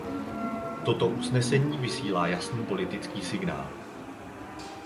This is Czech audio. Toto usnesení vysílá jasný politický signál.